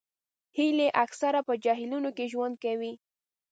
هیلۍ اکثره په جهیلونو کې ژوند کوي